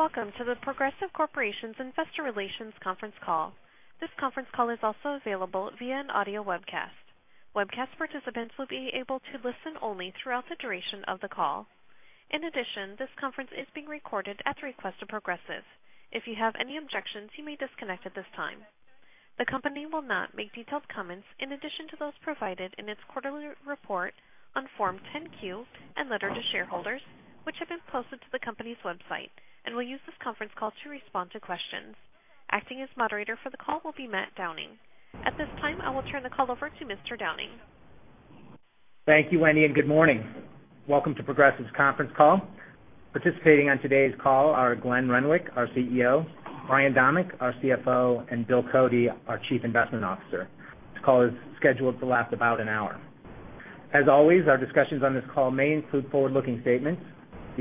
Welcome to The Progressive Corporation Investor Relations conference call. This conference call is also available via an audio webcast. Webcast participants will be able to listen only throughout the duration of the call. In addition, this conference is being recorded at the request of Progressive. If you have any objections, you may disconnect at this time. The company will not make detailed comments in addition to those provided in its quarterly report on Form 10-Q and letter to shareholders, which have been posted to the company's website, and will use this conference call to respond to questions. Acting as moderator for the call will be Matt Downing. At this time, I will turn the call over to Mr. Downing. Thank you, Wendy, and good morning. Welcome to Progressive's conference call. Participating on today's call are Glenn Renwick, our CEO, Brian Domeck, our CFO, and Bill Cody, our Chief Investment Officer. This call is scheduled to last about an hour. As always, our discussions on this call may include forward-looking statements.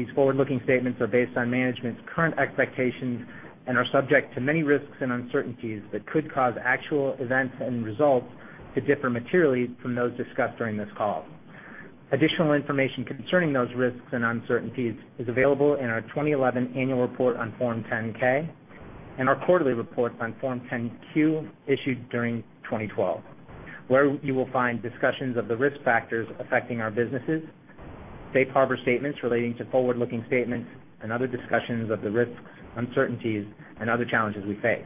These forward-looking statements are based on management's current expectations and are subject to many risks and uncertainties that could cause actual events and results to differ materially from those discussed during this call. Additional information concerning those risks and uncertainties is available in our 2011 annual report on Form 10-K and our quarterly reports on Form 10-Q issued during 2012, where you will find discussions of the risk factors affecting our businesses, safe harbor statements relating to forward-looking statements, and other discussions of the risks, uncertainties, and other challenges we face.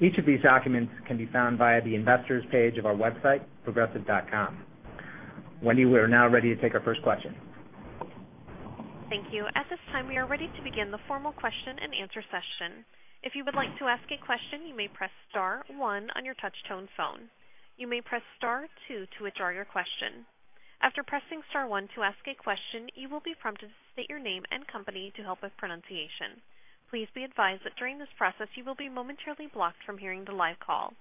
Each of these documents can be found via the investor's page of our website, progressive.com. Wendy, we are now ready to take our first question. Thank you. At this time, we are ready to begin the formal question and answer session. If you would like to ask a question, you may press star one on your touch-tone phone. You may press star two to withdraw your question. After pressing star one to ask a question, you will be prompted to state your name and company to help with pronunciation. Please be advised that during this process, you will be momentarily blocked from hearing the live call.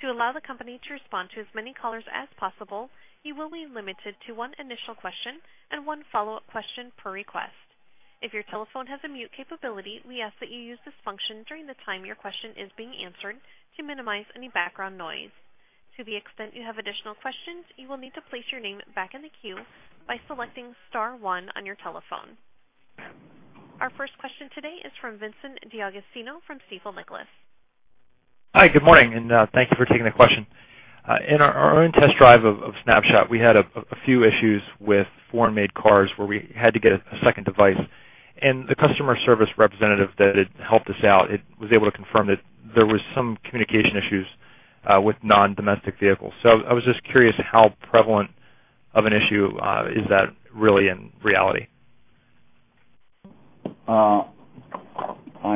To allow the company to respond to as many callers as possible, you will be limited to one initial question and one follow-up question per request. If your telephone has a mute capability, we ask that you use this function during the time your question is being answered to minimize any background noise. To the extent you have additional questions, you will need to place your name back in the queue by selecting star one on your telephone. Our first question today is from Vincent D'Agostino from Stifel Nicolaus. Hi, good morning, and thank you for taking the question. In our own test drive of Snapshot, we had a few issues with foreign-made cars where we had to get a second device, and the customer service representative that had helped us out was able to confirm that there was some communication issues with non-domestic vehicles. I was just curious how prevalent of an issue is that really in reality? I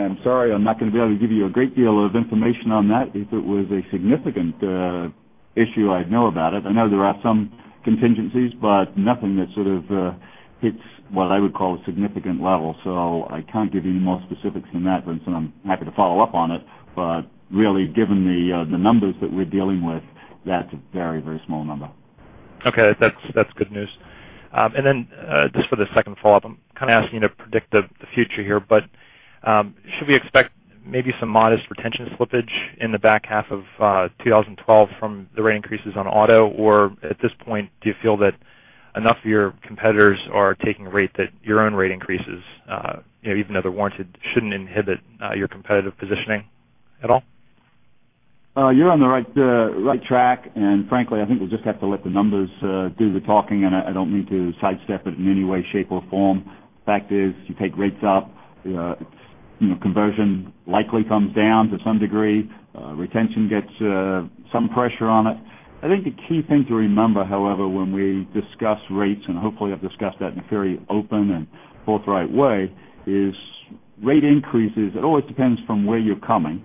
am sorry, I'm not going to be able to give you a great deal of information on that. If it was a significant issue, I'd know about it. I know there are some contingencies, but nothing that sort of hits what I would call a significant level. I can't give you any more specifics than that, Vincent. I'm happy to follow up on it, but really, given the numbers that we're dealing with, that's a very small number. Okay. That's good news. Just for the second follow-up, I'm kind of asking you to predict the future here, but should we expect maybe some modest retention slippage in the back half of 2012 from the rate increases on auto? At this point, do you feel that enough of your competitors are taking rate that your own rate increases even though they're warranted, shouldn't inhibit your competitive positioning at all? You're on the right track, frankly, I think we'll just have to let the numbers do the talking. I don't mean to sidestep it in any way, shape, or form. The fact is, you take rates up, conversion likely comes down to some degree. Retention gets some pressure on it. I think the key thing to remember, however, when we discuss rates, and hopefully I've discussed that in a very open and forthright way, is rate increases. It always depends from where you're coming.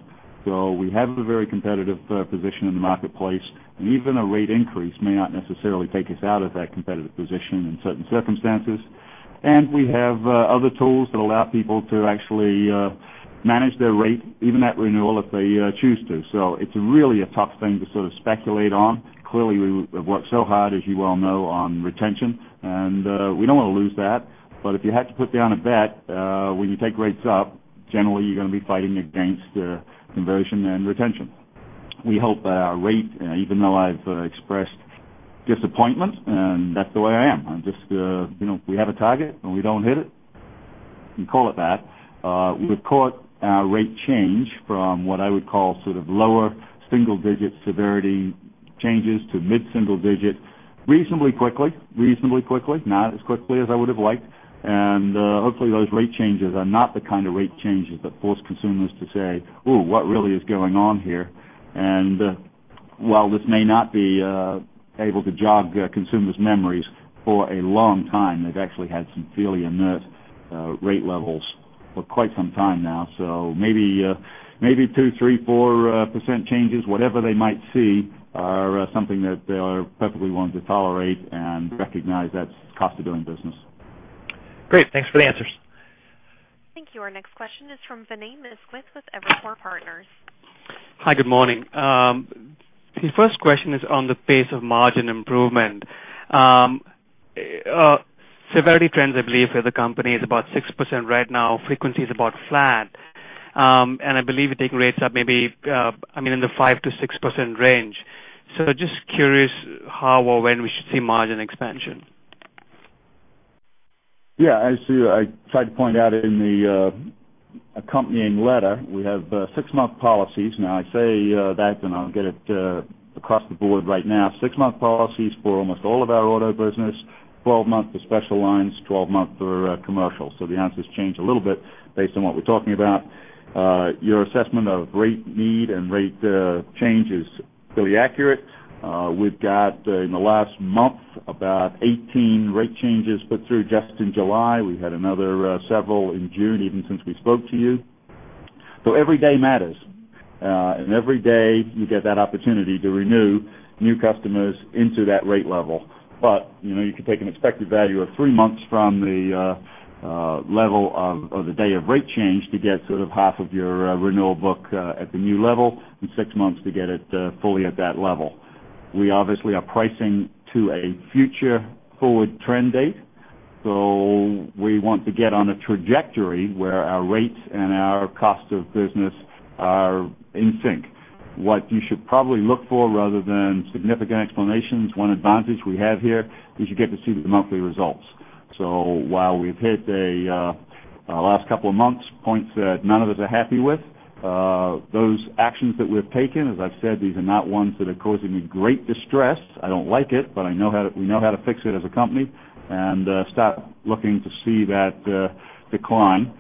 We have a very competitive position in the marketplace, and even a rate increase may not necessarily take us out of that competitive position in certain circumstances. We have other tools that allow people to actually manage their rate even at renewal if they choose to. It's really a tough thing to sort of speculate on. Clearly, we have worked so hard, as you well know, on retention, and we don't want to lose that. If you had to put down a bet, when you take rates up, generally, you're going to be fighting against conversion and retention. We hope our rate, even though I've expressed disappointment, and that's the way I am. We have a target, and we don't hit it. You call it that. We've caught our rate change from what I would call sort of lower single-digit severity changes to mid-single digit reasonably quickly. Not as quickly as I would have liked. Hopefully, those rate changes are not the kind of rate changes that force consumers to say, "Ooh, what really is going on here?" While this may not be able to jog consumers' memories for a long time, they've actually had some fairly inert rate levels for quite some time now. Maybe 2%, 3%, 4% changes, whatever they might see, are something that they are perfectly willing to tolerate and recognize that's the cost of doing business. Great. Thanks for the answers. Thank you. Our next question is from Vinay Misquith with Evercore Partners. Hi, good morning. The first question is on the pace of margin improvement. Severity trends, I believe, for the company is about 6% right now. Frequency is about flat. I believe you're taking rates up maybe in the 5%-6% range. Just curious how or when we should see margin expansion. Yeah. As I tried to point out in the accompanying letter, we have six-month policies. Now, I say that, I'll get it across the board right now. Six-month policies for almost all of our auto business, 12 months for special lines, 12 months for commercial. The answers change a little bit based on what we're talking about. Your assessment of rate need and rate change is fairly accurate. We've got, in the last month, about 18 rate changes put through just in July. We've had another several in June, even since we spoke to you. Every day matters. Every day you get that opportunity to renew new customers into that rate level. You can take an expected value of three months from the level of the day of rate change to get sort of half of your renewal book at the new level, and six months to get it fully at that level. We obviously are pricing to a future forward trend date. We want to get on a trajectory where our rates and our cost of business are in sync. What you should probably look for, rather than significant explanations, one advantage we have here is you get to see the monthly results. While we've hit, last couple of months, points that none of us are happy with, those actions that we've taken, as I've said, these are not ones that are causing me great distress. I don't like it, but we know how to fix it as a company, and start looking to see that decline.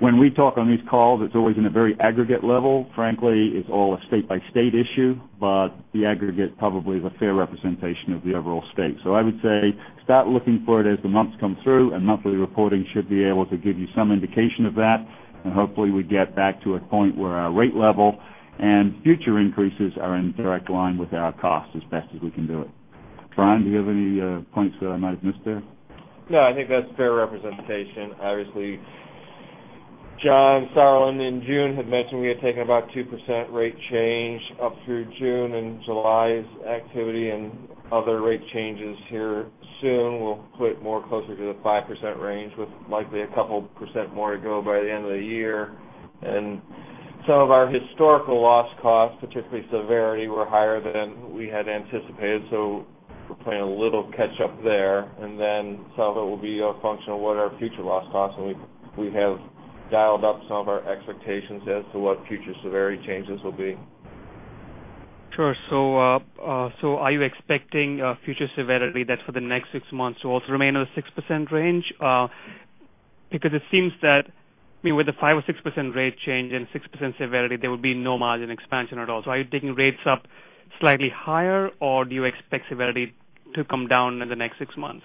When we talk on these calls, it's always in a very aggregate level. Frankly, it's all a state-by-state issue, but the aggregate probably is a fair representation of the overall state. I would say start looking for it as the months come through, and monthly reporting should be able to give you some indication of that. Hopefully we get back to a point where our rate level and future increases are in direct line with our cost as best as we can do it. Brian, do you have any points that I might have missed there? No, I think that's fair representation. Obviously, John Sauerland in June had mentioned we had taken about 2% rate change up through June. July's activity and other rate changes here soon will put more closer to the 5% range with likely a couple of percent more to go by the end of the year. Some of our historical loss costs, particularly severity, were higher than we had anticipated, so we're playing a little catch up there. Some of it will be a function of what our future loss costs, and we have dialed up some of our expectations as to what future severity changes will be. Sure. Are you expecting future severity that's for the next six months to also remain in the 6% range? Because it seems that with the 5% or 6% rate change and 6% severity, there will be no margin expansion at all. Are you taking rates up slightly higher, or do you expect severity to come down in the next six months?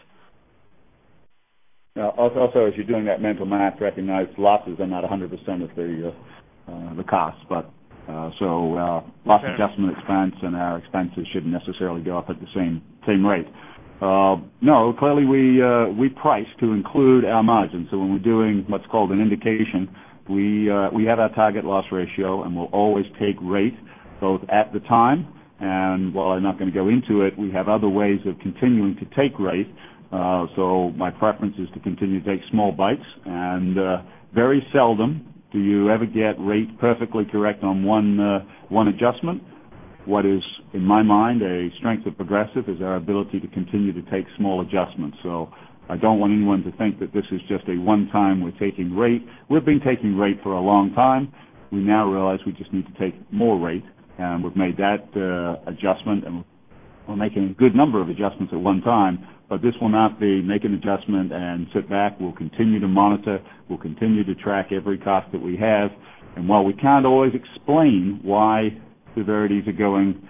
As you're doing that mental math, recognize losses are not 100% of the cost. Loss adjustment- Fair Clearly we price to include our margins. When we're doing what's called an indication, we have our target loss ratio, and we'll always take rate both at the time, and while I'm not going to go into it, we have other ways of continuing to take rate. My preference is to continue to take small bites. Very seldom do you ever get rate perfectly correct on one adjustment. What is, in my mind, a strength of Progressive is our ability to continue to take small adjustments. I don't want anyone to think that this is just a one time we're taking rate. We've been taking rate for a long time. We now realize we just need to take more rate, and we've made that adjustment, and we're making a good number of adjustments at one time. This will not be make an adjustment and sit back. We'll continue to monitor. We'll continue to track every cost that we have. While we can't always explain why severities are going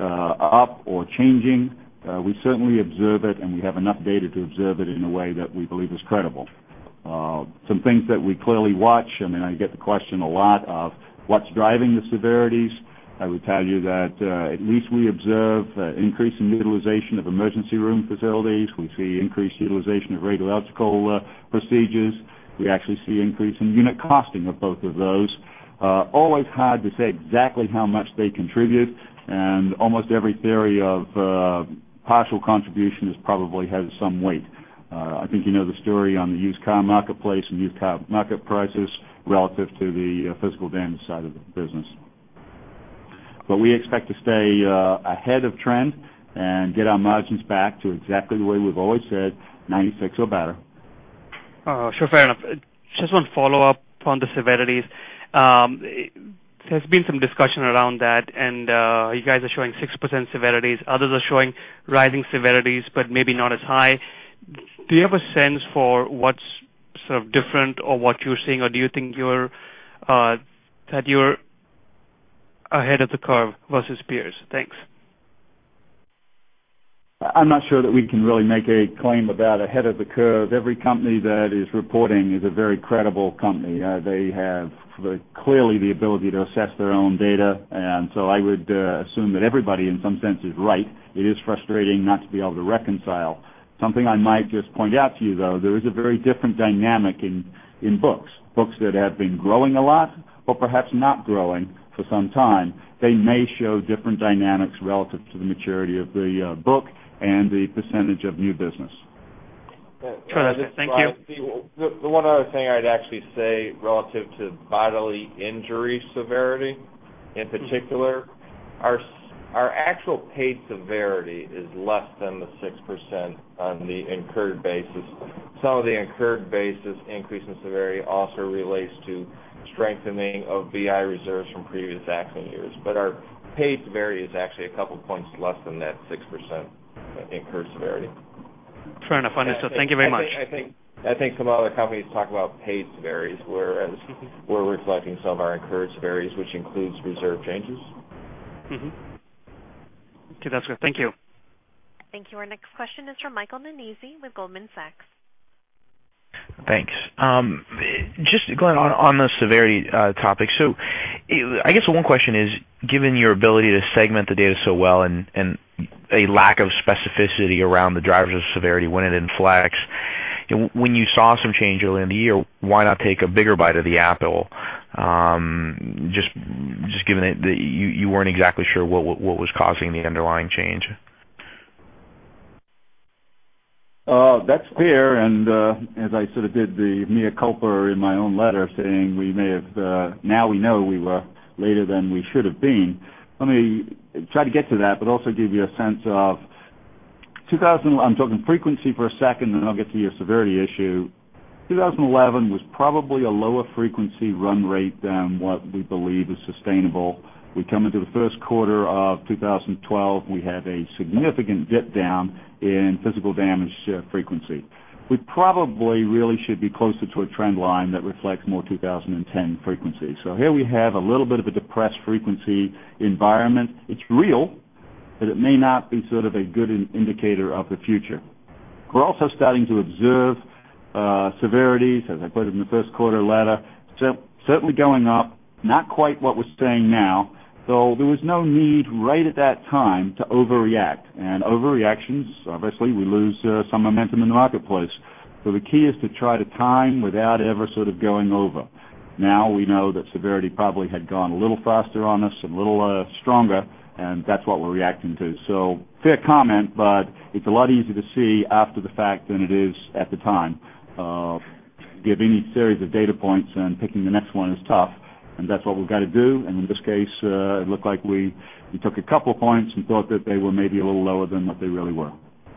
up or changing, we certainly observe it, and we have enough data to observe it in a way that we believe is credible. Some things that we clearly watch, I get the question a lot of what's driving the severities. I would tell you that at least we observe increasing utilization of emergency room facilities. We see increased utilization of radiological procedures. We actually see increase in unit costing of both of those. Always hard to say exactly how much they contribute, and almost every theory of partial contribution probably has some weight. I think you know the story on the used car marketplace and used car market prices relative to the physical damage side of the business. We expect to stay ahead of trend and get our margins back to exactly the way we've always said, 96 or better. Sure. Fair enough. Just one follow-up on the severities. There's been some discussion around that, and you guys are showing 6% severities. Others are showing rising severities, but maybe not as high. Do you have a sense for what's sort of different or what you're seeing, or do you think that you're ahead of the curve versus peers? Thanks. I'm not sure that we can really make a claim about ahead of the curve. Every company that is reporting is a very credible company. They have clearly the ability to assess their own data. I would assume that everybody in some sense is right. It is frustrating not to be able to reconcile. Something I might just point out to you, though, there is a very different dynamic in books. Books that have been growing a lot or perhaps not growing for some time, they may show different dynamics relative to the maturity of the book and the percentage of new business. Thank you. The one other thing I'd actually say relative to bodily injury severity, in particular, our actual paid severity is less than the 6% on the incurred basis. Some of the incurred basis increase in severity also relates to strengthening of BI reserves from previous accident years. Our paid severity is actually a couple points less than that 6% incurred severity. Trying to find it. Thank you very much. I think some other companies talk about paid severities, whereas we're reflecting some of our incurred severities, which includes reserve changes. Mm-hmm. Okay, that's good. Thank you. Thank you. Our next question is from Michael Nannizzi with Goldman Sachs. Thanks. Just going on the severity topic. I guess one question is, given your ability to segment the data so well and a lack of specificity around the drivers of severity when it inflects, when you saw some change early in the year, why not take a bigger bite of the apple? Just given that you weren't exactly sure what was causing the underlying change. That's fair. As I sort of did the mea culpa in my own letter saying now we know we were later than we should have been. Let me try to get to that, but also give you a sense of, I'm talking frequency for a second, then I'll get to your severity issue. 2011 was probably a lower frequency run rate than what we believe is sustainable. We come into the first quarter of 2012, we have a significant dip down in physical damage frequency. We probably really should be closer to a trend line that reflects more 2010 frequency. Here we have a little bit of a depressed frequency environment. It's real, but it may not be sort of a good indicator of the future. We're also starting to observe severities, as I put it in the first quarter letter, certainly going up, not quite what we're seeing now, though there was no need right at that time to overreact. Overreactions, obviously, we lose some momentum in the marketplace. The key is to try to time without ever sort of going over. Now we know that severity probably had gone a little faster on us, a little stronger, and that's what we're reacting to. Fair comment, but it's a lot easier to see after the fact than it is at the time of giving you series of data points and picking the next one is tough, and that's what we've got to do. In this case, it looked like we took a couple points and thought that they were maybe a little lower than what they really were.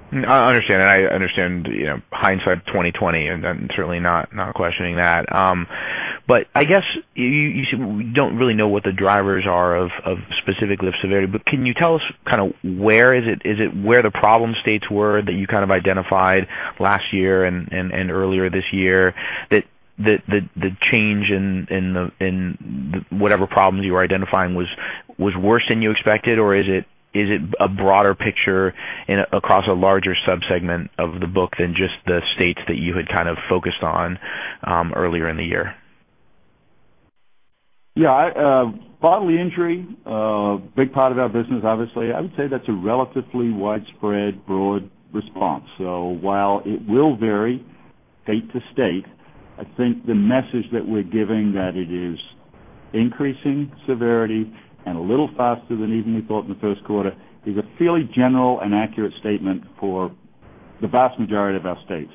I understand. I understand hindsight is 20/20, and I'm certainly not questioning that. I guess you don't really know what the drivers are specifically of severity, but can you tell us kind of where is it? Is it where the problem states were that you kind of identified last year and earlier this year that the change in whatever problems you were identifying was worse than you expected? Is it a broader picture across a larger subsegment of the book than just the states that you had kind of focused on earlier in the year? Yeah. Bodily injury, big part of our business, obviously. I would say that's a relatively widespread, broad response. While it will vary state to state, I think the message that we're giving that it is increasing severity and a little faster than even we thought in the first quarter is a fairly general and accurate statement for the vast majority of our states.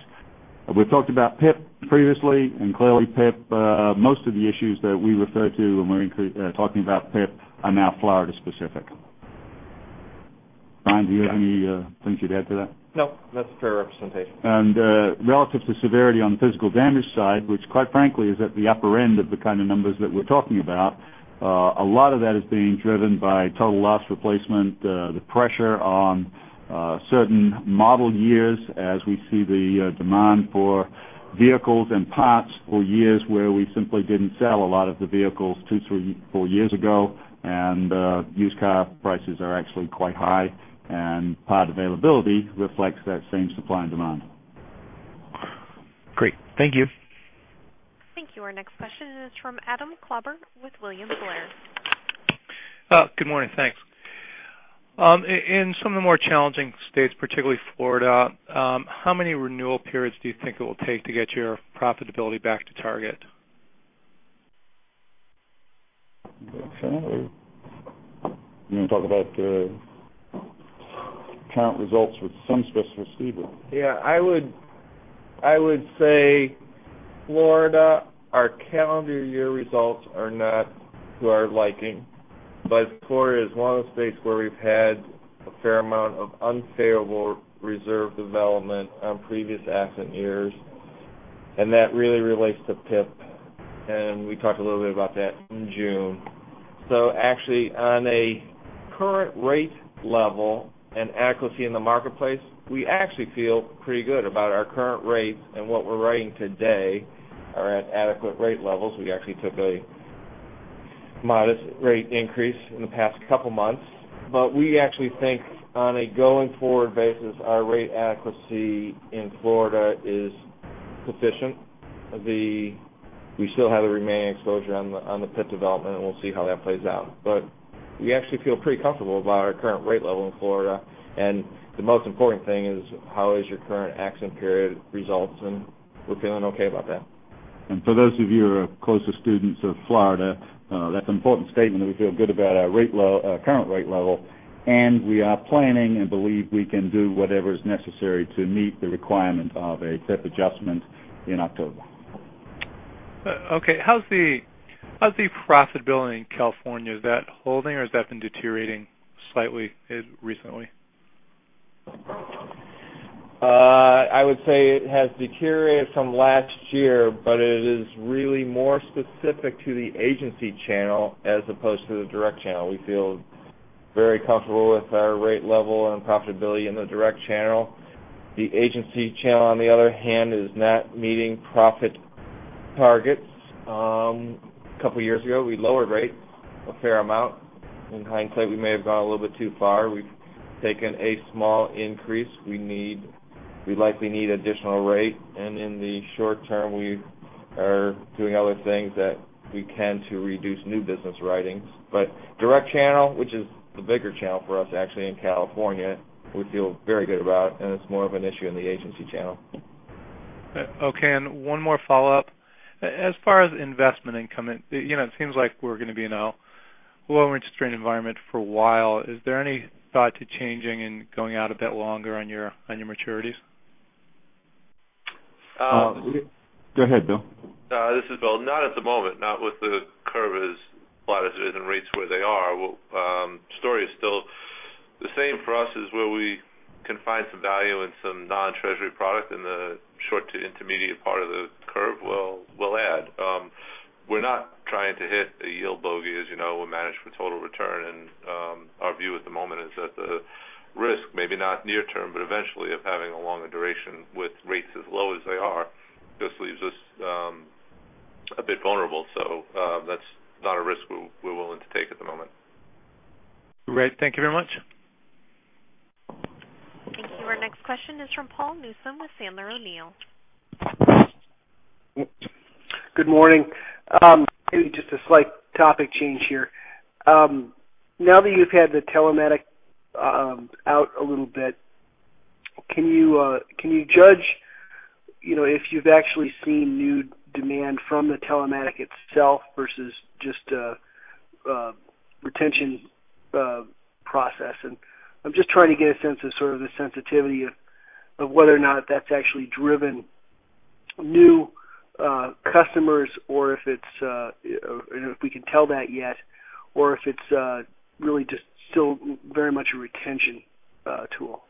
We've talked about PIP previously. Clearly PIP, most of the issues that we refer to when we're talking about PIP are now Florida specific. Brian, do you have any things you'd add to that? No, that's a fair representation. Relative to severity on the physical damage side, which quite frankly is at the upper end of the kind of numbers that we're talking about, a lot of that is being driven by total loss replacement, the pressure on certain model years as we see the demand for vehicles and parts for years where we simply didn't sell a lot of the vehicles two, three, four years ago, and used car prices are actually quite high, and part availability reflects that same supply and demand. Great. Thank you. Thank you. Our next question is from Adam Klauber with William Blair. Good morning. Thanks. In some of the more challenging states, particularly Florida, how many renewal periods do you think it will take to get your profitability back to target? You want to talk about the count results with some specificity. Yeah, I would say Florida, our calendar year results are not to our liking. Florida is one of the states where we've had a fair amount of unfavorable reserve development on previous accident years, and that really relates to PIP, and we talked a little bit about that in June. Actually on a current rate level and accuracy in the marketplace, we actually feel pretty good about our current rates and what we're writing today are at adequate rate levels. We actually took a modest rate increase in the past couple months. We actually think on a going forward basis, our rate accuracy in Florida is sufficient. We still have the remaining exposure on the PIP development, and we'll see how that plays out. We actually feel pretty comfortable about our current rate level in Florida, and the most important thing is how is your current accident period results, and we're feeling okay about that. For those of you who are closer students of Florida, that's an important statement that we feel good about our current rate level, and we are planning and believe we can do whatever's necessary to meet the requirement of a PIP adjustment in October. Okay. How's the profitability in California? Is that holding, or has that been deteriorating slightly recently? I would say it has deteriorated from last year, it is really more specific to the agency channel as opposed to the direct channel. We feel very comfortable with our rate level and profitability in the direct channel. The agency channel, on the other hand, is not meeting profit targets. A couple of years ago, we lowered rates a fair amount. In hindsight, we may have gone a little bit too far. We've taken a small increase. We likely need additional rate, and in the short term, we are doing other things that we can to reduce new business writings. Direct channel, which is the bigger channel for us actually in California, we feel very good about, and it's more of an issue in the agency channel. Okay, one more follow-up. As far as investment income, it seems like we're going to be in a lower interest rate environment for a while. Is there any thought to changing and going out a bit longer on your maturities? Go ahead, Bill. This is Bill. Not at the moment, not with the curve as flat as it is and rates where they are. Story is still the same for us is where we can find some value in some non-Treasury product in the short to intermediate part of the curve, we'll add. We're not trying to hit a yield bogey, as you know, or manage for total return. Our view at the moment is that the risk may be not near term, but eventually of having a longer duration with rates as low as they are, just leaves us a bit vulnerable. That's not a risk we're willing to take at the moment. Great. Thank you very much. Thank you. Our next question is from Paul Newsome with Sandler O'Neill. Good morning. Maybe just a slight topic change here. Now that you've had the telematic out a little bit, can you judge if you've actually seen new demand from the telematic itself versus just a retention process? I'm just trying to get a sense of sort of the sensitivity of whether or not that's actually driven new customers, and if we can tell that yet, or if it's really just still very much a retention tool.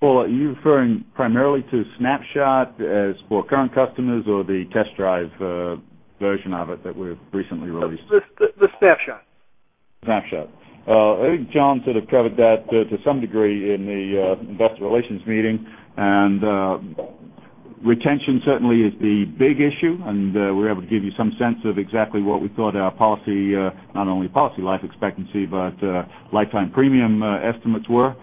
Paul, are you referring primarily to Snapshot as for current customers or the test drive version of it that we've recently released? The Snapshot. Snapshot. I think John sort of covered that to some degree in the investor relations meeting, and retention certainly is the big issue, and we were able to give you some sense of exactly what we thought our, not only policy life expectancy, but lifetime premium estimates were.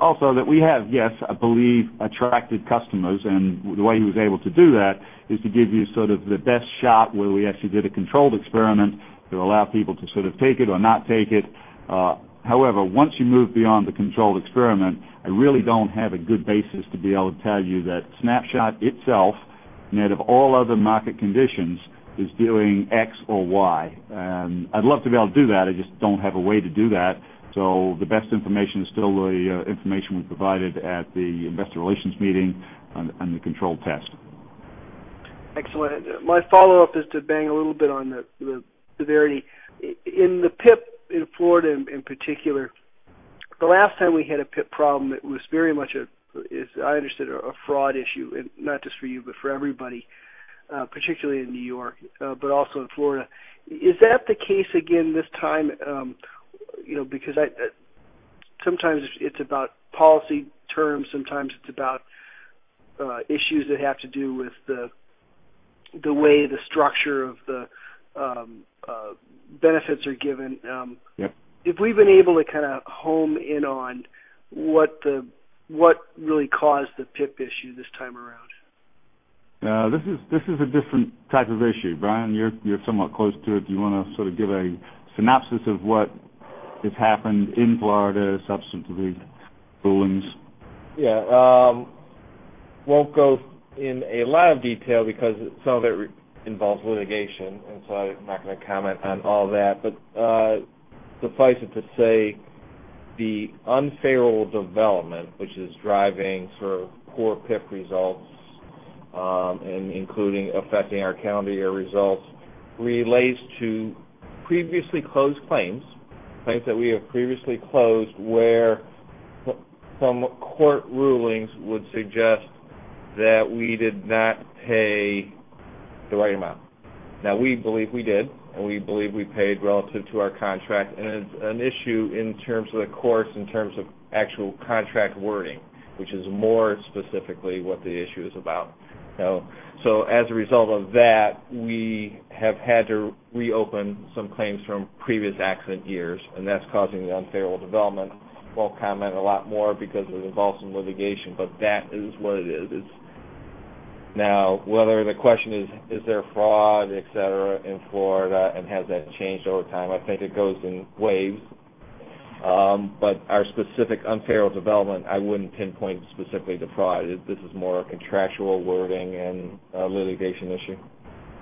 Also that we have, yes, I believe, attracted customers, and the way he was able to do that is to give you sort of the best shot where we actually did a controlled experiment to allow people to sort of take it or not take it. However, once you move beyond the controlled experiment, I really don't have a good basis to be able to tell you that Snapshot itself, net of all other market conditions, is doing X or Y. I'd love to be able to do that. I just don't have a way to do that. The best information is still the information we provided at the investor relations meeting on the controlled test. Excellent. My follow-up is to bang a little bit on the severity. In the PIP in Florida in particular, the last time we had a PIP problem, it was very much, as I understood, a fraud issue, and not just for you, but for everybody, particularly in New York, but also in Florida. Is that the case again this time? Sometimes it's about policy terms, sometimes it's about issues that have to do with the way the structure of the benefits are given. Yep. If we've been able to kind of home in on what really caused the PIP issue this time around? This is a different type of issue. Brian, you're somewhat close to it. Do you want to sort of give a synopsis of what has happened in Florida, substantive rulings? Yeah. Won't go in a lot of detail because some of it involves litigation, and so I'm not going to comment on all that. Suffice it to say, the unfavorable development, which is driving sort of poor PIP results, and including affecting our calendar year results, relates to previously closed claims that we have previously closed, where some court rulings would suggest that we did not pay the right amount. Now, we believe we did, and we believe we paid relative to our contract. It's an issue in terms of the courts, in terms of actual contract wording, which is more specifically what the issue is about. As a result of that, we have had to reopen some claims from previous accident years, and that's causing the unfavorable development. Won't comment a lot more because it involves some litigation, but that is what it is. Now, whether the question is there fraud, et cetera, in Florida, and has that changed over time? I think it goes in waves. Our specific unfair development, I wouldn't pinpoint specifically to fraud. This is more a contractual wording and a litigation issue.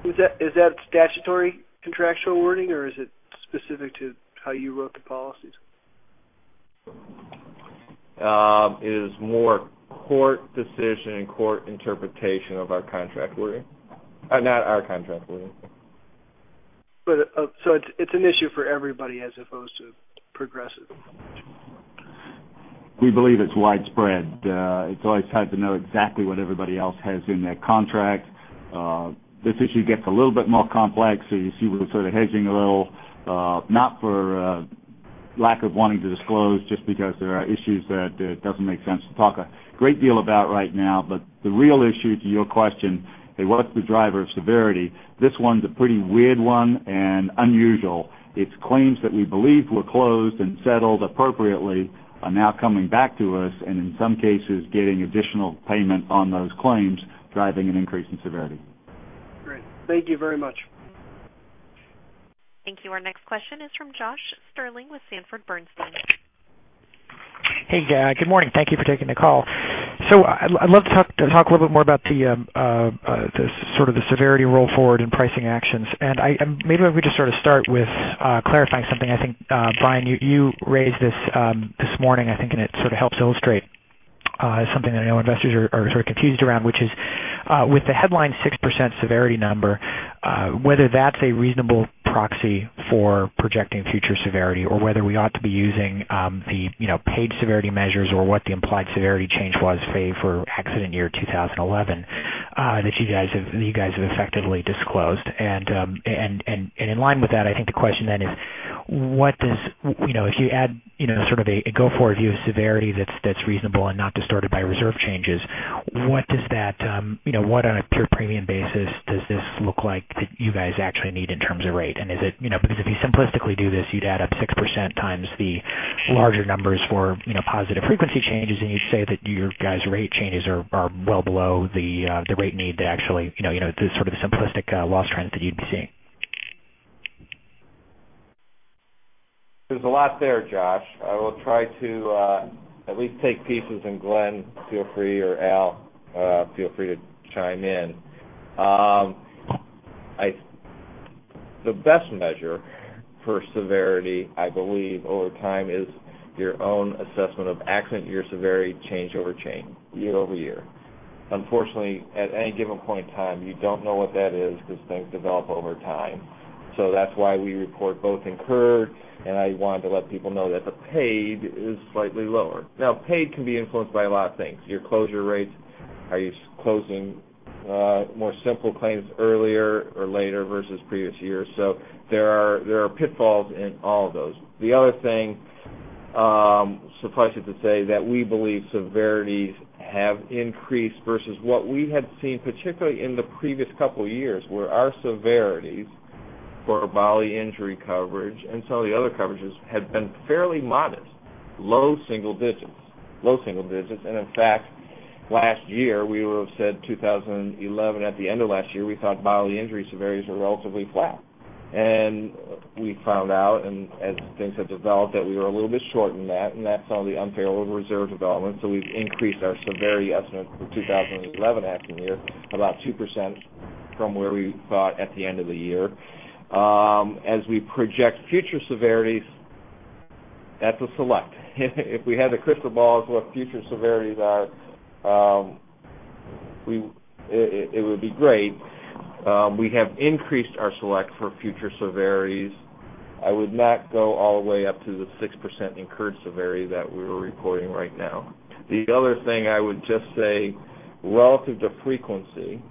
Is that statutory contractual wording or is it specific to how you wrote the policies? It is more court decision, court interpretation of our contract wording. Not our contract wording. It's an issue for everybody as opposed to Progressive. We believe it's widespread. It's always hard to know exactly what everybody else has in their contract. This issue gets a little bit more complex, you see we're sort of hedging a little, not for lack of wanting to disclose, just because there are issues that it doesn't make sense to talk a great deal about right now. The real issue to your question, hey, what's the driver of severity? This one's a pretty weird one and unusual. It's claims that we believe were closed and settled appropriately are now coming back to us and in some cases, getting additional payment on those claims, driving an increase in severity. Great. Thank you very much. Thank you. Our next question is from Josh Shanker with Sanford Bernstein. Hey, good morning. Thank you for taking the call. I'd love to talk a little bit more about the sort of the severity roll forward and pricing actions. Maybe if we just sort of start with clarifying something. I think, Brian, you raised this this morning, I think. It sort of helps illustrate something that I know investors are sort of confused around, which is with the headline 6% severity number, whether that's a reasonable proxy for projecting future severity or whether we ought to be using the paid severity measures or what the implied severity change was, say, for accident year 2011 that you guys have effectively disclosed. In line with that, I think the question then is, if you add sort of a go forward view of severity that's reasonable and not distorted by reserve changes, what on a pure premium basis does this look like that you guys actually need in terms of rate? Because if you simplistically do this, you'd add up 6% times the larger numbers for positive frequency changes. You say that your guys' rate changes are well below the rate need to actually do sort of the simplistic loss trends that you'd be seeing. There's a lot there, Josh. I will try to at least take pieces. Glenn, feel free, or Al, feel free to chime in. The best measure for severity, I believe, over time is your own assessment of accident year severity change year-over-year. Unfortunately, at any given point in time, you don't know what that is because things develop over time. That's why we report both incurred. I want to let people know that the paid is slightly lower. Now, paid can be influenced by a lot of things. Your closure rates. Are you closing more simple claims earlier or later versus previous years? There are pitfalls in all of those. The other thing, suffice it to say, that we believe severities have increased versus what we had seen, particularly in the previous couple of years, where our severities for our bodily injury coverage and some of the other coverages had been fairly modest. Low single digits. Low single digits. In fact, last year, we would've said 2011 at the end of last year, we thought bodily injury severities were relatively flat. We found out, and as things have developed, that we were a little bit short in that, and that's on the unfavorable reserve development. We've increased our severity estimate for 2011 accident year about 2% from where we thought at the end of the year. As we project future severities, that's a select. If we had a crystal ball as what future severities are, it would be great. We have increased our select for future severities. I would not go all the way up to the 6% incurred severity that we're reporting right now. The other thing I would just say, relative to frequency,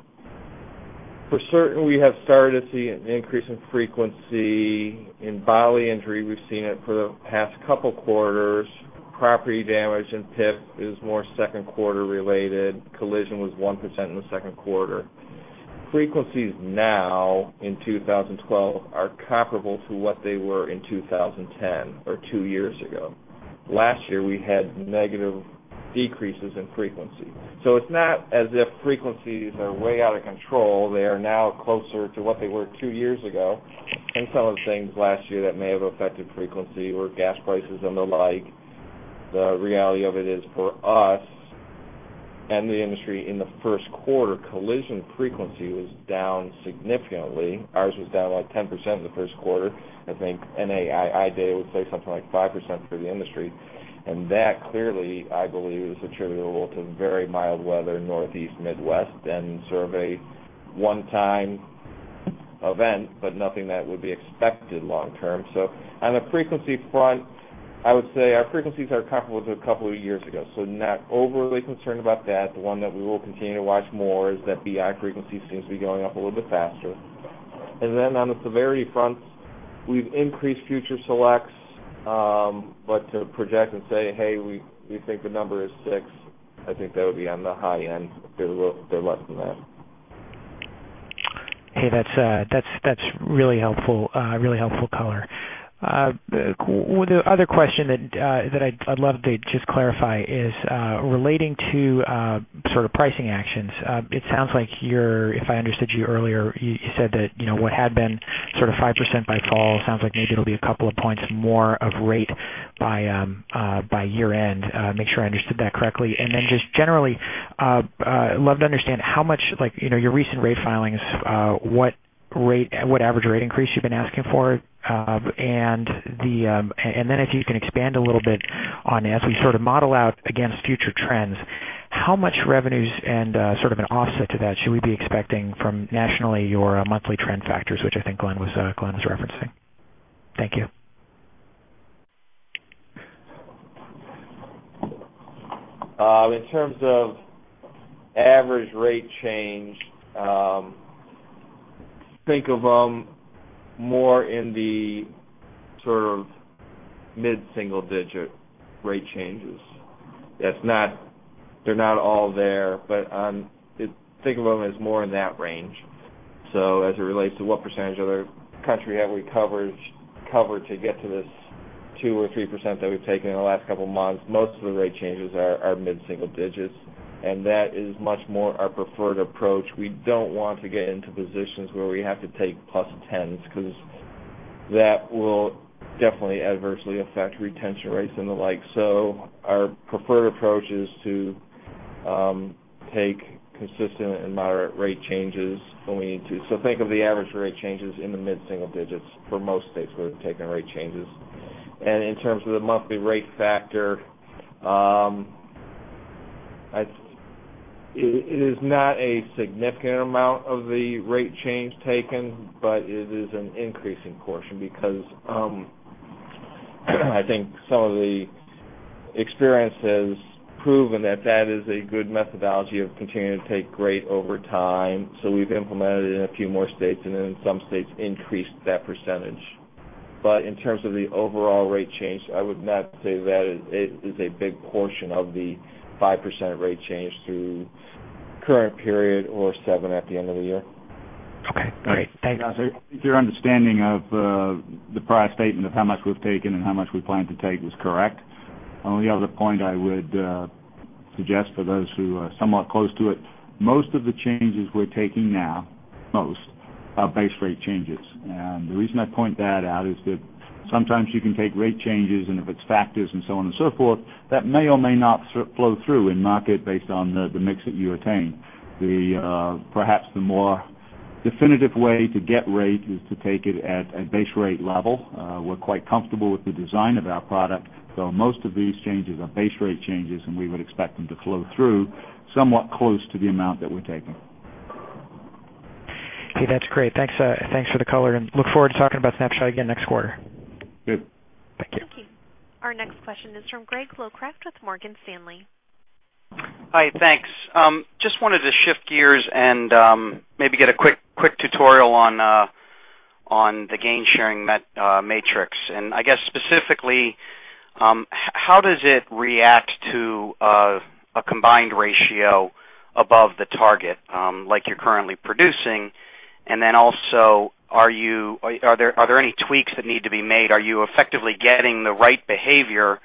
for certain, we have started to see an increase in frequency in bodily injury. We've seen it for the past couple quarters. Property damage and PIP is more second quarter related. Collision was 1% in the second quarter. Frequencies now in 2012 are comparable to what they were in 2010 or two years ago. Last year, we had negative decreases in frequency. It's not as if frequencies are way out of control. They are now closer to what they were two years ago. Some of the things last year that may have affected frequency were gas prices and the like. The reality of it is for us and the industry in the first quarter, collision frequency was down significantly. Ours was down like 10% in the first quarter. I think NAIC data would say something like 5% for the industry. That clearly, I believe, is attributable to very mild weather Northeast, Midwest, and sort of a one-time event, but nothing that would be expected long term. On the frequency front, I would say our frequencies are comparable to a couple of years ago. Not overly concerned about that. The one that we will continue to watch more is that BI frequency seems to be going up a little bit faster. On the severity front, we've increased future selects. To project and say, hey, we think the number is six, I think that would be on the high end. They're less than that. Hey, that's really helpful color. The other question that I'd love to just clarify is relating to pricing actions. It sounds like you're, if I understood you earlier, you said that what had been 5% by fall, sounds like maybe it'll be a couple of points more of rate by year-end. Make sure I understood that correctly. Just generally, love to understand how much your recent rate filings, what average rate increase you've been asking for, and then if you can expand a little bit on, as we model out against future trends, how much revenues and an offset to that should we be expecting from nationally, your monthly trend factors, which I think Glenn was referencing. Thank you. In terms of average rate change, think of them more in the mid-single digit rate changes. They're not all there, but think of them as more in that range. As it relates to what percentage of the country have we covered to get to this 2% or 3% that we've taken in the last couple of months, most of the rate changes are mid-single digits, and that is much more our preferred approach. We don't want to get into positions where we have to take plus 10s, because that will definitely adversely affect retention rates and the like. Our preferred approach is to take consistent and moderate rate changes when we need to. Think of the average rate changes in the mid-single digits for most states where we've taken rate changes. In terms of the monthly rate factor, it is not a significant amount of the rate change taken, but it is an increasing portion because I think some of the experience has proven that that is a good methodology of continuing to take rate over time. We've implemented it in a few more states, then in some states increased that percentage. In terms of the overall rate change, I would not say that it is a big portion of the 5% rate change through current period or 7% at the end of the year. Okay, great. Thank you. Your understanding of the prior statement of how much we've taken and how much we plan to take was correct. Only other point I would suggest for those who are somewhat close to it, most of the changes we're taking now, most, are base rate changes. The reason I point that out is that sometimes you can take rate changes, and if it's factors and so on and so forth, that may or may not flow through in market based on the mix that you attain. Perhaps the more definitive way to get rate is to take it at a base rate level. We're quite comfortable with the design of our product. Most of these changes are base rate changes, and we would expect them to flow through somewhat close to the amount that we're taking. Okay, that's great. Thanks for the color, and look forward to talking about Snapshot again next quarter. Good. Thank you. Thank you. Our next question is from Gregory Locraft with Morgan Stanley. Hi, thanks. Just wanted to shift gears and maybe get a quick tutorial on the gainsharing matrix. I guess specifically, how does it react to a combined ratio above the target, like you're currently producing? Also, are there any tweaks that need to be made? Are you effectively getting the right behavior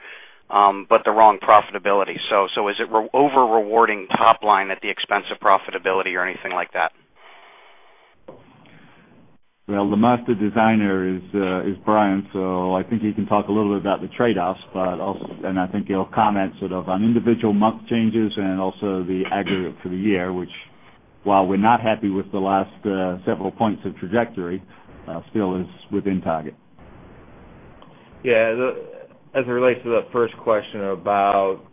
but the wrong profitability? Is it over-rewarding top line at the expense of profitability or anything like that? Well, the master designer is Brian, I think he can talk a little bit about the trade-offs, I think he'll comment sort of on individual month changes and also the aggregate for the year, which while we're not happy with the last several points of trajectory, still is within target. Yeah. As it relates to that first question about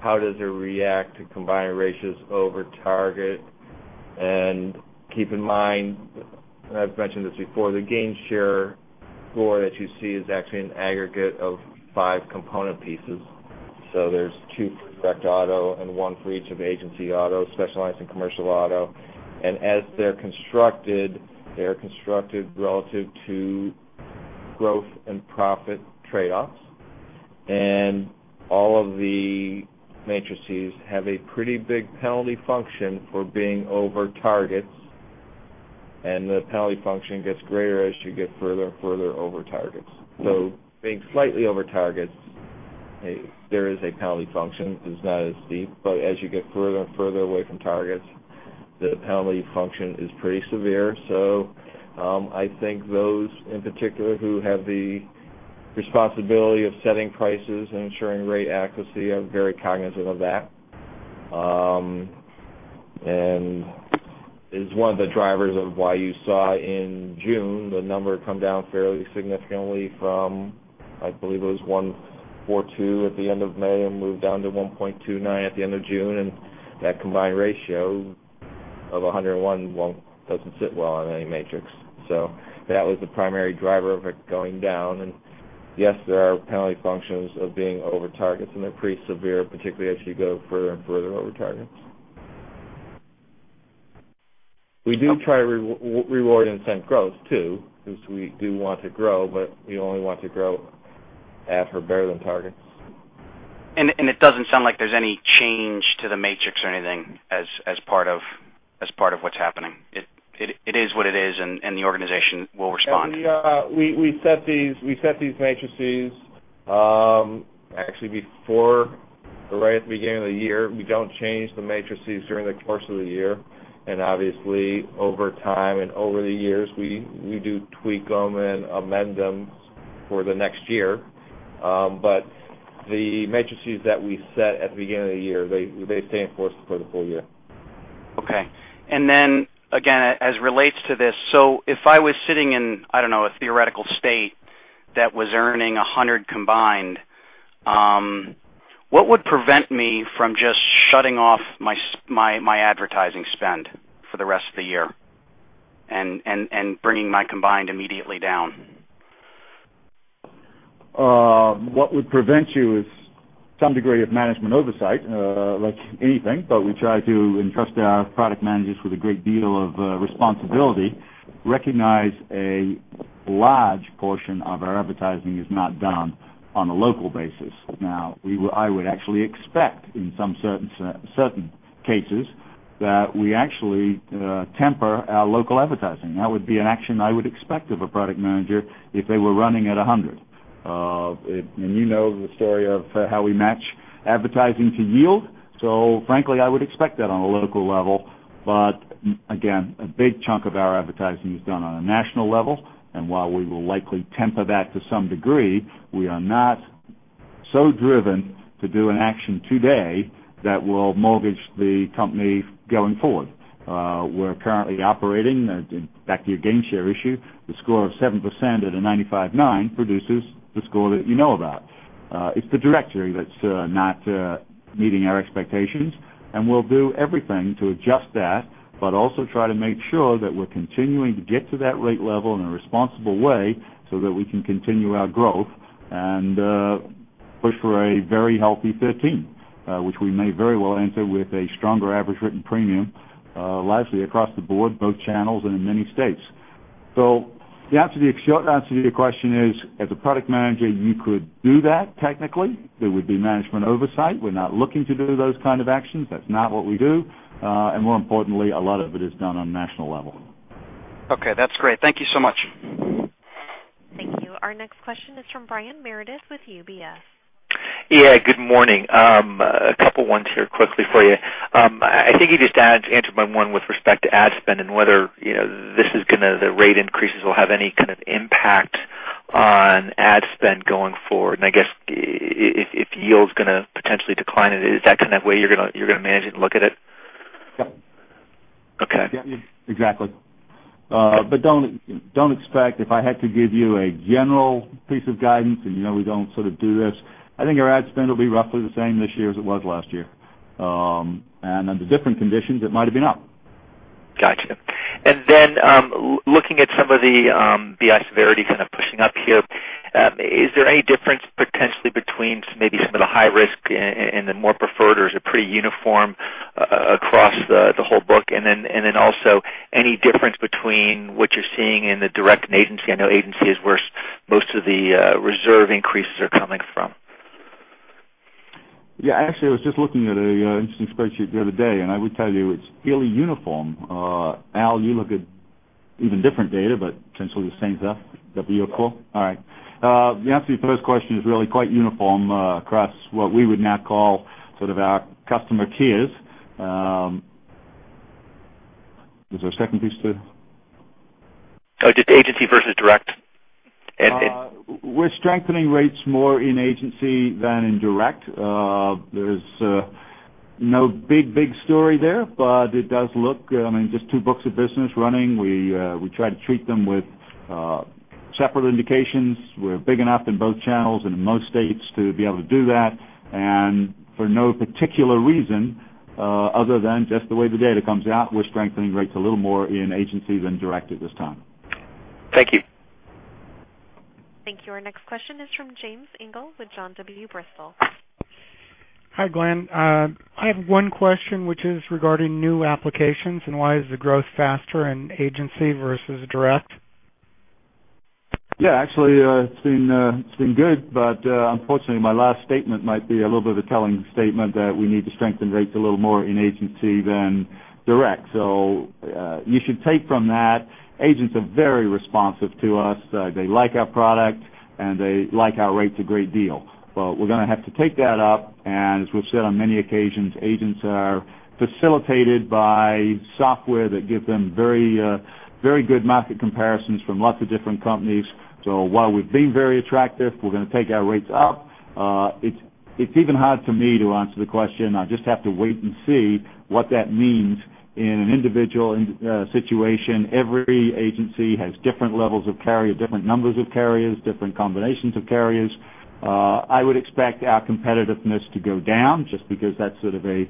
how does it react to combined ratios over target, keep in mind, I've mentioned this before, the gainsharing score that you see is actually an aggregate of five component pieces. There's two for direct auto and one for each of agency auto, specialized and commercial auto. As they're constructed, they're constructed relative to growth and profit trade-offs. All of the matrices have a pretty big penalty function for being over targets, and the penalty function gets greater as you get further and further over targets. Being slightly over targets, there is a penalty function. It's not as steep, but as you get further and further away from targets, the penalty function is pretty severe. I think those in particular who have the responsibility of setting prices and ensuring rate accuracy are very cognizant of that. It's one of the drivers of why you saw in June the number come down fairly significantly from, I believe it was 1.42 at the end of May and moved down to 1.29 at the end of June. That combined ratio of 101 doesn't sit well on any matrix. That was the primary driver of it going down. Yes, there are penalty functions of being over targets, and they're pretty severe, particularly as you go further and further over targets. We do try to reward incent growth, too, because we do want to grow, but we only want to grow at or better than targets. It doesn't sound like there's any change to the matrix or anything as part of what's happening. It is what it is, and the organization will respond. We set these matrices actually right at the beginning of the year. We don't change the matrices during the course of the year. Obviously, over time and over the years, we do tweak them and amend them for the next year. The matrices that we set at the beginning of the year stay in force for the full year. Okay. Then, again, as relates to this, so if I was sitting in a theoretical state that was earning 100 combined, what would prevent me from just shutting off my advertising spend for the rest of the year and bringing my combined immediately down? What would prevent you is some degree of management oversight, like anything. We try to entrust our product managers with a great deal of responsibility, recognize a large portion of our advertising is not done on a local basis. Now, I would actually expect in some certain cases that we actually temper our local advertising. That would be an action I would expect of a product manager if they were running at 100. You know the story of how we match advertising to yield. Frankly, I would expect that on a local level. Again, a big chunk of our advertising is done on a national level, and while we will likely temper that to some degree, we are not so driven to do an action today that will mortgage the company going forward. We're currently operating, back to your gain share issue, the score of 7% at a 95.9 produces the score that you know about. It's the directory that's not meeting our expectations, and we'll do everything to adjust that, but also try to make sure that we're continuing to get to that rate level in a responsible way so that we can continue our growth and push for a very healthy 13, which we may very well enter with a stronger average written premium, largely across the board, both channels, and in many states. The short answer to your question is, as a product manager, you could do that technically. There would be management oversight. We're not looking to do those kind of actions. That's not what we do. More importantly, a lot of it is done on national level. Okay, that's great. Thank you so much. Thank you. Our next question is from Brian Meredith with UBS. Yeah, good morning. A couple ones here quickly for you. I think you just answered my one with respect to ad spend and whether the rate increases will have any kind of impact on ad spend going forward, and I guess if yield's going to potentially decline. Is that kind of way you're going to manage it and look at it? Yep. Okay. Exactly. Don't expect, if I had to give you a general piece of guidance, and you know we don't sort of do this, I think our ad spend will be roughly the same this year as it was last year. Under different conditions, it might have been up. Got you. Looking at some of the BI severity kind of pushing up here, is there any difference potentially between maybe some of the high risk and the more preferred, or is it pretty uniform across the whole book? Also, any difference between what you're seeing in the direct and agency? I know agency is where most of the reserve increases are coming from. Actually, I was just looking at an interesting spreadsheet the other day. I would tell you it's fairly uniform. Al, you look at even different data, but potentially the same stuff that we look for. All right. The answer to your first question is really quite uniform across what we would now call sort of our customer tiers. Is there a second piece to that? Just agency versus direct. We're strengthening rates more in agency than in direct. There's no big story there, it does look, just two books of business running. We try to treat them with separate indications. We're big enough in both channels and in most states to be able to do that. For no particular reason other than just the way the data comes out, we're strengthening rates a little more in agency than direct at this time. Thank you. Thank you. Our next question is from James A. Engle with John W. Bristol & Co. Hi, Glenn. I have one question, which is regarding new applications and why is the growth faster in agency versus direct? Actually, it's been good. Unfortunately, my last statement might be a little bit of a telling statement that we need to strengthen rates a little more in agency than direct. You should take from that, agents are very responsive to us. They like our product, and they like our rates a great deal. We're going to have to take that up, and as we've said on many occasions, agents are facilitated by software that give them very good market comparisons from lots of different companies. While we've been very attractive, we're going to take our rates up. It's even hard for me to answer the question. I just have to wait and see what that means in an individual situation. Every agency has different levels of carrier, different numbers of carriers, different combinations of carriers. I would expect our competitiveness to go down just because that's sort of a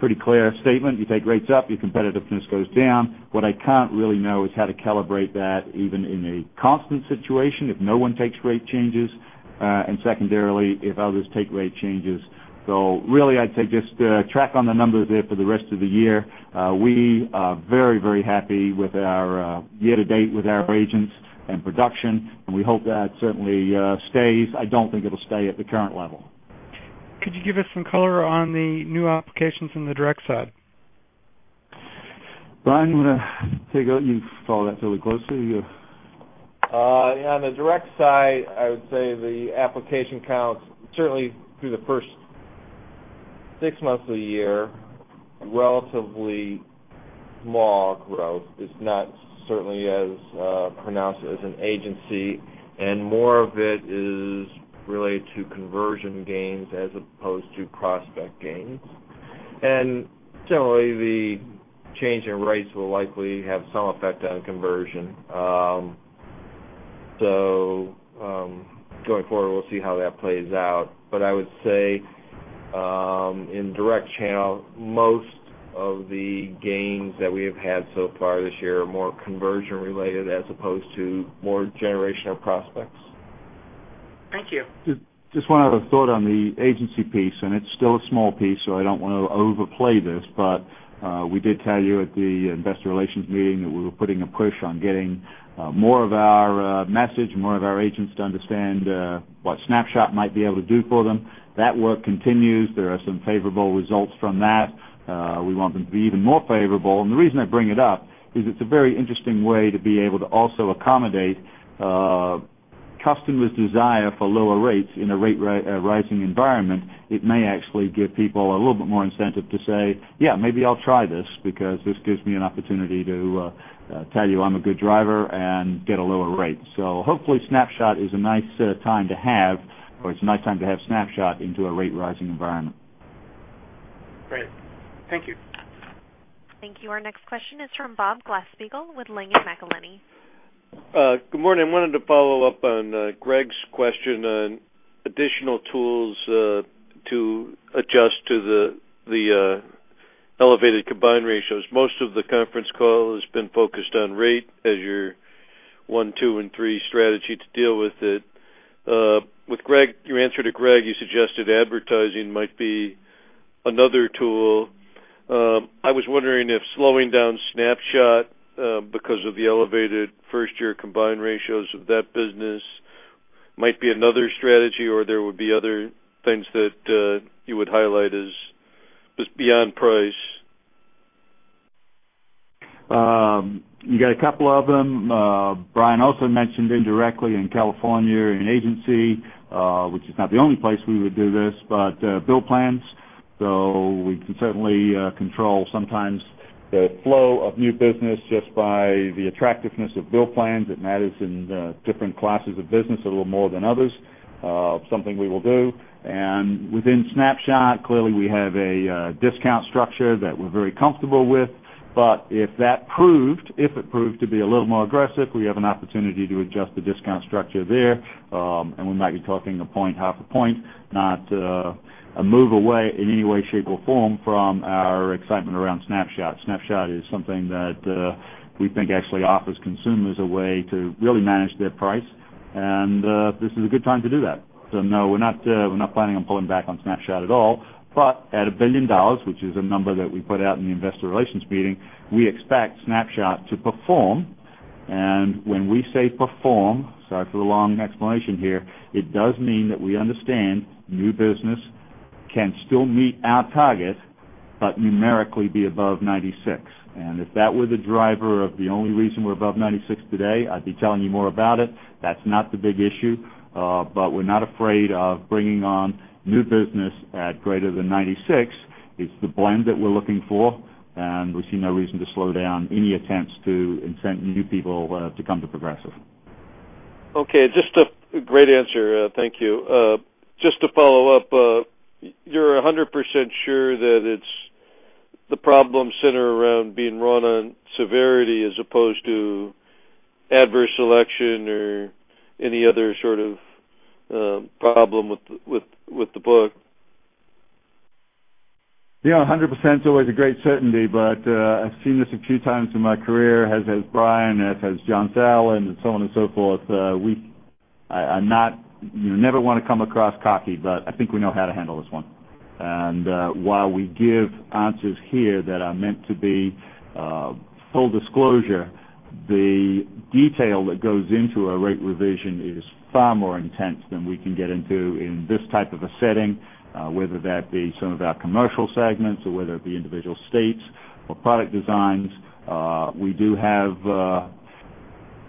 pretty clear statement. You take rates up, your competitiveness goes down. What I can't really know is how to calibrate that even in a constant situation if no one takes rate changes, and secondarily, if others take rate changes. Really, I'd say just track on the numbers there for the rest of the year. We are very happy with our year to date with our agents and production, and we hope that certainly stays. I don't think it'll stay at the current level. Could you give us some color on the new applications in the direct side? Brian, you want to take it? You follow that fairly closely. On the direct side, I would say the application counts, certainly through the first six months of the year, relatively small growth. It's not certainly as pronounced as an agency. More of it is related to conversion gains as opposed to prospect gains. Generally, the change in rates will likely have some effect on conversion. Going forward, we'll see how that plays out. I would say in direct channel, most of the gains that we have had so far this year are more conversion related as opposed to more generational prospects. Thank you. Just one other thought on the agency piece. It's still a small piece, I don't want to overplay this, we did tell you at the investor relations meeting that we were putting a push on getting more of our message and more of our agents to understand what Snapshot might be able to do for them. That work continues. There are some favorable results from that. We want them to be even more favorable. The reason I bring it up is it's a very interesting way to be able to also accommodate a customer's desire for lower rates in a rate rising environment. It may actually give people a little bit more incentive to say, "Yeah, maybe I'll try this because this gives me an opportunity to tell you I'm a good driver and get a lower rate." Hopefully Snapshot is a nice time to have, or it's a nice time to have Snapshot into a rate rising environment. Great. Thank you. Thank you. Our next question is from Bob Glasspiegel with Langen McAlenney. Good morning. I wanted to follow up on Greg's question on additional tools to adjust to the elevated combined ratios. Most of the conference call has been focused on rate as your one, two, and three strategy to deal with it. With your answer to Greg, you suggested advertising might be another tool. I was wondering if slowing down Snapshot because of the elevated first-year combined ratios of that business might be another strategy, there would be other things that you would highlight as just beyond price. You got a couple of them. Brian also mentioned indirectly in California, in agency, which is not the only place we would do this, bill plans. We can certainly control sometimes the flow of new business just by the attractiveness of bill plans. It matters in different classes of business a little more than others. Something we will do. Within Snapshot, clearly we have a discount structure that we're very comfortable with. If it proved to be a little more aggressive, we have an opportunity to adjust the discount structure there. We might be talking a point, half a point, not a move away in any way, shape, or form from our excitement around Snapshot. Snapshot is something that we think actually offers consumers a way to really manage their price. This is a good time to do that. No, we're not planning on pulling back on Snapshot at all. At a $1 billion, which is a number that we put out in the investor relations meeting, we expect Snapshot to perform. When we say perform, sorry for the long explanation here, it does mean that we understand new business can still meet our target, but numerically be above 96. If that were the driver of the only reason we're above 96 today, I'd be telling you more about it. That's not the big issue. We're not afraid of bringing on new business at greater than 96. It's the blend that we're looking for, and we see no reason to slow down any attempts to incent new people to come to Progressive. Okay. Great answer. Thank you. Just to follow up, you're 100% sure that it's the problem centered around being run on severity as opposed to adverse selection or any other sort of problem with the book? Yeah, 100%'s always a great certainty, but I've seen this a few times in my career, as has Brian, as has John Sauerland, so on and so forth. You never want to come across cocky, but I think we know how to handle this one. While we give answers here that are meant to be full disclosure, the detail that goes into a rate revision is far more intense than we can get into in this type of a setting, whether that be some of our commercial segments or whether it be individual states or product designs. We do have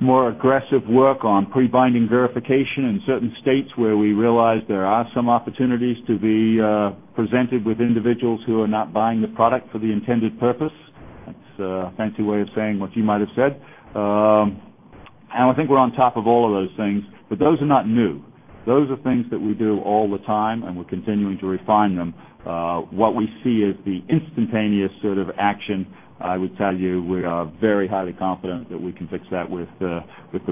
more aggressive work on pre-binding verification in certain states where we realize there are some opportunities to be presented with individuals who are not buying the product for the intended purpose. That's a fancy way of saying what you might have said. I think we're on top of all of those things, but those are not new. Those are things that we do all the time, and we're continuing to refine them. What we see is the instantaneous sort of action. I would tell you we are very highly confident that we can fix that with the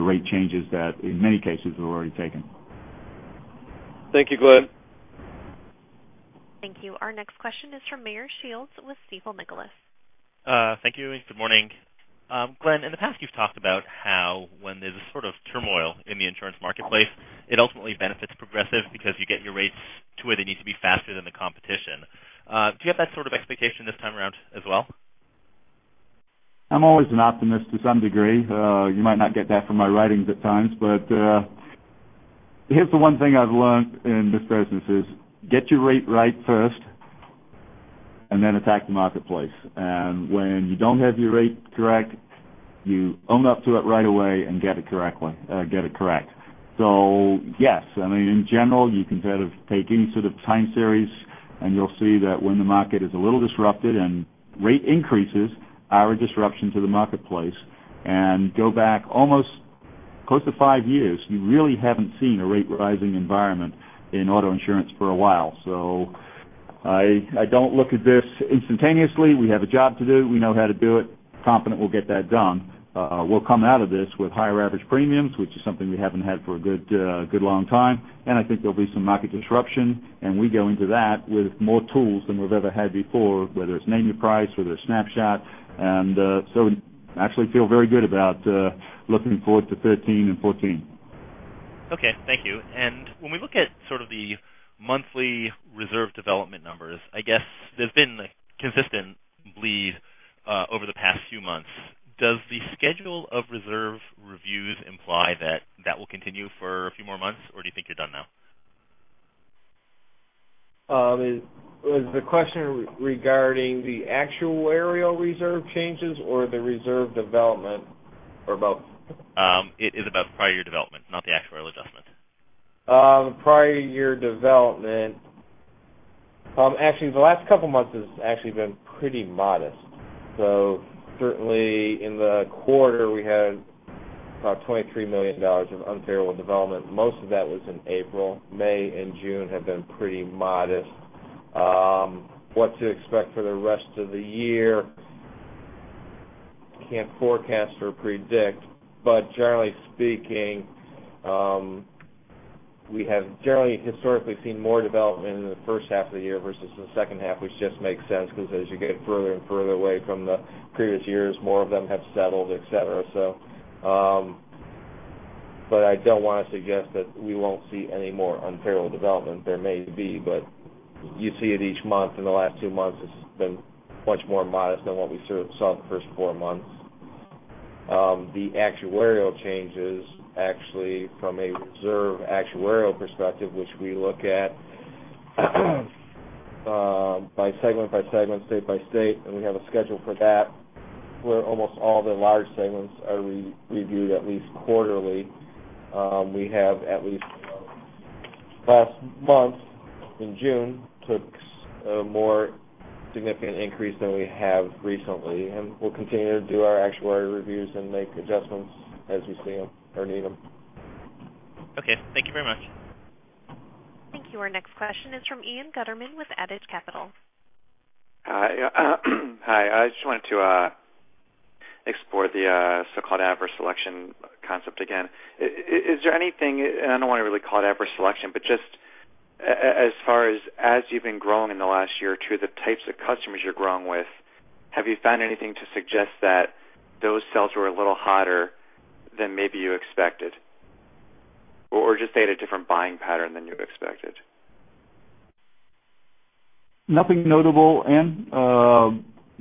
rate changes that in many cases we've already taken. Thank you, Glenn. Thank you. Our next question is from Meyer Shields with Stifel Nicolaus. Thank you. Good morning. Glenn, in the past you've talked about how when there's a sort of turmoil in the insurance marketplace, it ultimately benefits Progressive because you get your rates to where they need to be faster than the competition. Do you have that sort of expectation this time around as well? I'm always an optimist to some degree. You might not get that from my writings at times, Here's the one thing I've learned in this business is get your rate right first, then attack the marketplace. When you don't have your rate correct, you own up to it right away and get it correct. Yes, I mean, in general, you can take any sort of time series, you'll see that when the market is a little disrupted and rate increases are a disruption to the marketplace, go back almost close to five years, you really haven't seen a rate rising environment in auto insurance for a while. I don't look at this instantaneously. We have a job to do, we know how to do it, confident we'll get that done. We'll come out of this with higher average premiums, which is something we haven't had for a good long time, I think there'll be some market disruption, we go into that with more tools than we've ever had before, whether it's Name Your Price, whether it's Snapshot. Actually feel very good about looking forward to 2013 and 2014. Okay. Thank you. When we look at sort of the monthly reserve development numbers, I guess there's been consistent bleed over the past few months. Does the schedule of reserve reviews imply that that will continue for a few more months, or do you think you're done now? Is the question regarding the actuarial reserve changes or the reserve development, or both? It is about prior year development, not the actuarial adjustment. Prior year development. Actually, the last couple of months has actually been pretty modest. Certainly in the quarter, we had about $23 million of unfavorable development. Most of that was in April, May and June have been pretty modest. What to expect for the rest of the year, can't forecast or predict. Generally speaking, we have generally historically seen more development in the first half of the year versus the second half, which just makes sense because as you get further and further away from the previous years, more of them have settled, et cetera. I don't want to suggest that we won't see any more unfavorable development. There may be. You see it each month. In the last two months, it's been much more modest than what we saw the first four months. The actuarial changes actually from a reserve actuarial perspective, which we look at by segment, state by state. We have a schedule for that, where almost all the large segments are reviewed at least quarterly. We have at least last month, in June, took a more significant increase than we have recently. We'll continue to do our actuary reviews and make adjustments as we see them or need them. Okay. Thank you very much. Thank you. Our next question is from Ian Gutterman with Adage Capital. Hi. Hi. I just wanted to explore the so-called adverse selection concept again. Is there anything, and I don't want to really call it adverse selection, but just as far as you've been growing in the last year or two, the types of customers you're growing with, have you found anything to suggest that those sales were a little hotter than maybe you expected? Or just had a different buying pattern than you expected? Nothing notable.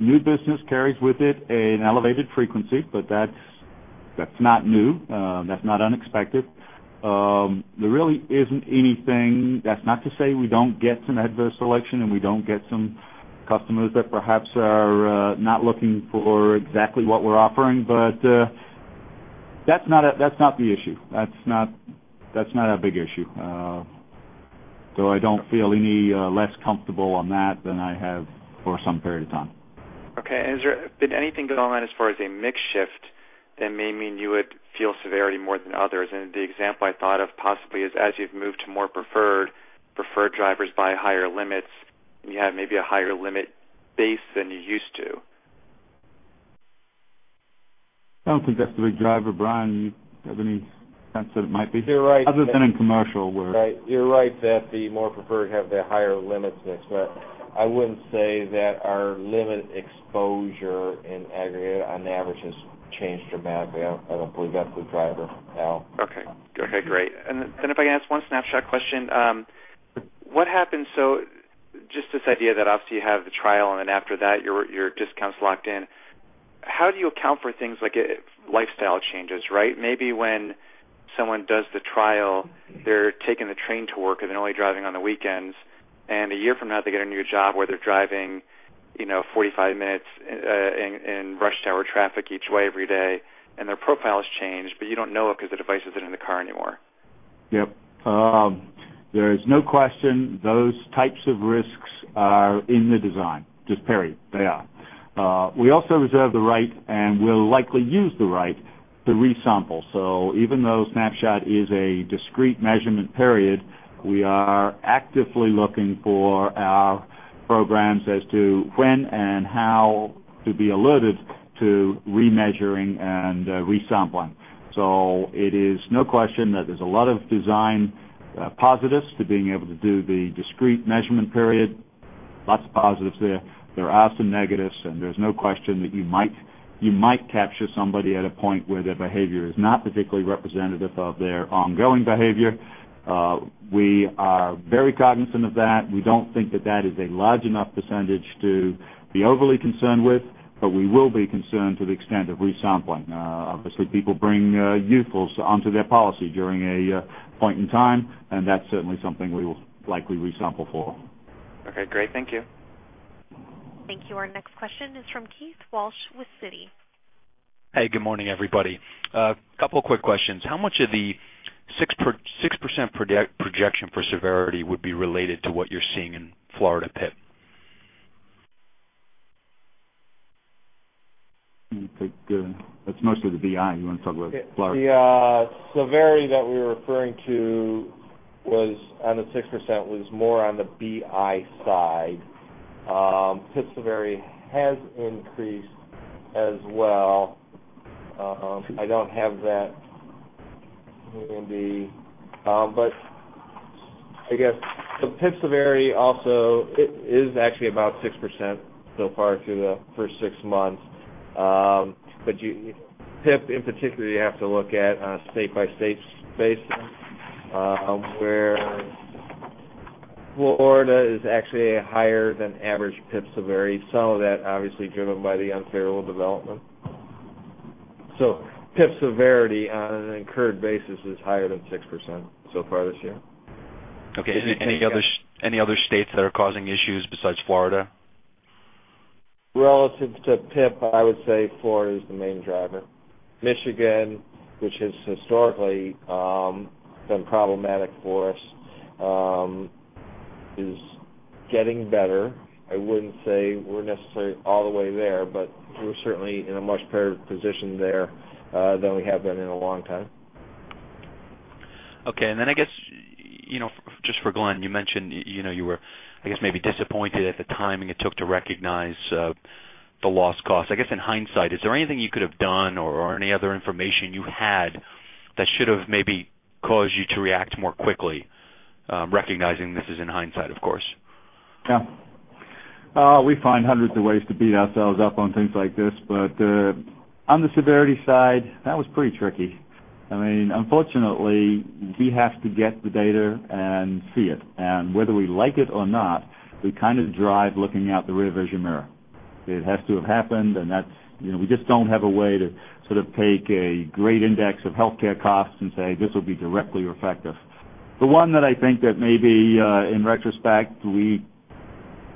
New business carries with it an elevated frequency, but that's not new. That's not unexpected. There really isn't anything. That's not to say we don't get some adverse selection. We don't get some customers that perhaps are not looking for exactly what we're offering, but that's not the issue. That's not a big issue. I don't feel any less comfortable on that than I have for some period of time. Okay. Has there been anything going on as far as a mix shift that may mean you would feel severity more than others? The example I thought of possibly is as you've moved to more preferred drivers buy higher limits, and you have maybe a higher limit base than you used to. I don't think that's the big driver. Brian, you have any sense that it might be? You're right. Other than in commercial where- You're right that the more preferred have the higher limits mix. I wouldn't say that our limit exposure in aggregate on average has changed dramatically. I don't believe that's a driver, no. Okay. Great. If I can ask one Snapshot question. What happens, so just this idea that obviously you have the trial, after that, your discount's locked in. How do you account for things like lifestyle changes, right? Maybe when someone does the trial, they're taking the train to work, and they're only driving on the weekends. A year from now, they get a new job where they're driving 45 minutes in rush hour traffic each way, every day, and their profile has changed, you don't know it because the device isn't in the car anymore. Yep. There is no question those types of risks are in the design. Just period. They are. We also reserve the right and will likely use the right to resample. Even though Snapshot is a discrete measurement period, we are actively looking for our programs as to when and how to be alerted to remeasuring and resampling. It is no question that there's a lot of design positives to being able to do the discrete measurement period. Lots of positives there. There are some negatives, there's no question that you might capture somebody at a point where their behavior is not particularly representative of their ongoing behavior. We are very cognizant of that. We don't think that that is a large enough percentage to be overly concerned with, we will be concerned to the extent of resampling. Obviously, people bring youth onto their policy during a point in time, that's certainly something we will likely resample for. Okay, great. Thank you. Thank you. Our next question is from Keith Walsh with Citi. Hey, good morning, everybody. A couple quick questions. How much of the 6% projection for severity would be related to what you're seeing in Florida PIP? You take That's mostly the BI. You want to talk about Florida? The severity that we were referring to on the 6% was more on the BI side. PIP severity has increased as well. I don't have that maybe. I guess the PIP severity also is actually about 6% so far through the first six months. PIP in particular, you have to look at state-by-state basis, where Florida is actually a higher than average PIP severity. Some of that obviously driven by the unfavorable development. PIP severity on an incurred basis is higher than 6% so far this year. Okay. Any other states that are causing issues besides Florida? Relative to PIP, I would say Florida is the main driver. Michigan, which has historically been problematic for us, is getting better. I wouldn't say we're necessarily all the way there, but we're certainly in a much better position there than we have been in a long time. Okay. I guess, just for Glenn, you mentioned you were, I guess, maybe disappointed at the timing it took to recognize the loss cost. I guess in hindsight, is there anything you could have done or any other information you had that should have maybe caused you to react more quickly? Recognizing this is in hindsight, of course. Yeah. We find hundreds of ways to beat ourselves up on things like this. On the severity side, that was pretty tricky. Unfortunately, we have to get the data and see it, and whether we like it or not, we kind of drive looking out the rear vision mirror. It has to have happened, and we just don't have a way to sort of take a great index of healthcare costs and say this will be directly reflective. The one that I think that maybe in retrospect,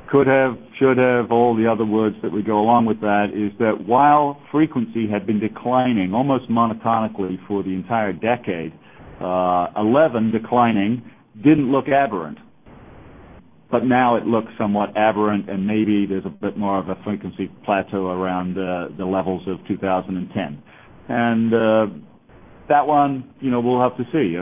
we could have, should have all the other words that would go along with that is that while frequency had been declining almost monotonically for the entire decade, 2011 declining didn't look aberrant. Now it looks somewhat aberrant, and maybe there's a bit more of a frequency plateau around the levels of 2010. That one, we'll have to see.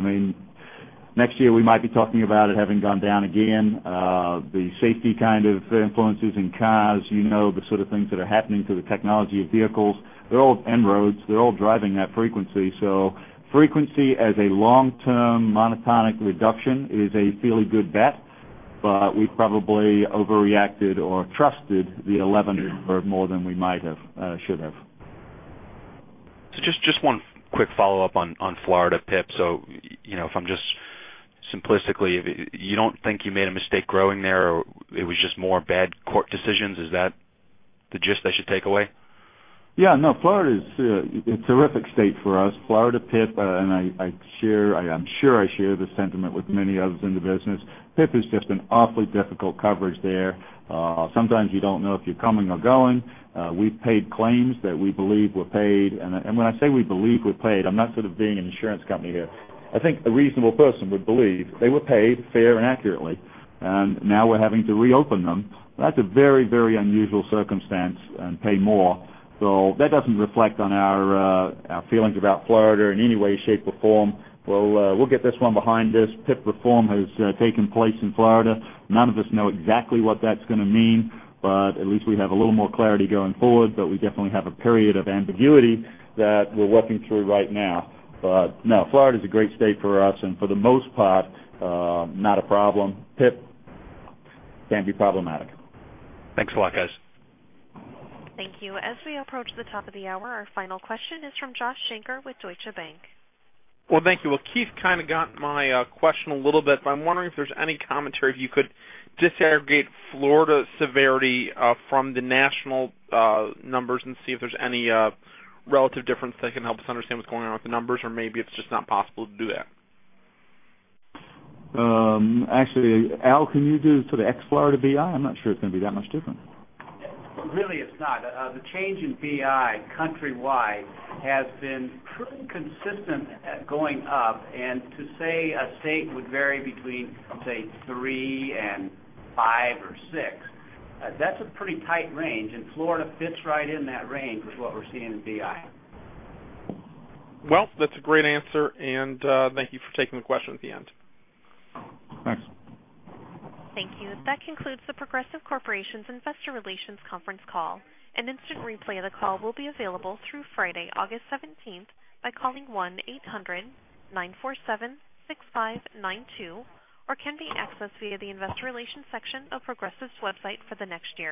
Next year we might be talking about it having gone down again. The safety kind of influences in cars, the sort of things that are happening to the technology of vehicles. They're all end roads. They're all driving that frequency. Frequency as a long-term monotonic reduction is a fairly good bet, we probably overreacted or trusted the 2011 number more than we might have, should have. Just one quick follow-up on Florida PIP. If I'm just simplistically, you don't think you made a mistake growing there, or it was just more bad court decisions? Is that the gist I should take away? Yeah, no, Florida is a terrific state for us. Florida PIP, I'm sure I share this sentiment with many others in the business, PIP is just an awfully difficult coverage there. Sometimes you don't know if you're coming or going. We've paid claims that we believe were paid, when I say we believe were paid, I'm not sort of being an insurance company here. I think a reasonable person would believe they were paid fair and accurately, now we're having to reopen them. That's a very, very unusual circumstance, pay more. That doesn't reflect on our feelings about Florida in any way, shape, or form. We'll get this one behind us. PIP reform has taken place in Florida. None of us know exactly what that's going to mean, at least we have a little more clarity going forward. We definitely have a period of ambiguity that we're working through right now. No, Florida's a great state for us and for the most part, not a problem. PIP can be problematic. Thanks a lot, guys. Thank you. As we approach the top of the hour, our final question is from Joshua Shanker with Deutsche Bank. Well, thank you. Well, Keith kind of got my question a little bit, I'm wondering if there's any commentary, if you could disaggregate Florida severity from the national numbers and see if there's any relative difference that can help us understand what's going on with the numbers, or maybe it's just not possible to do that. Actually, Al, can you do sort of ex-Florida BI? I'm not sure it's going to be that much different. Really it's not. The change in BI countrywide has been pretty consistent at going up, and to say a state would vary between, say, three and five or six, that's a pretty tight range. Florida fits right in that range with what we're seeing in BI. Well, that's a great answer, and thank you for taking the question at the end. Thanks. Thank you. That concludes The Progressive Corporation's Investor Relations conference call. An instant replay of the call will be available through Friday, August 17th by calling 1-800-947-6592 or can be accessed via the investor relations section of Progressive's website for the next year.